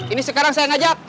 ini sekarang saya ngajak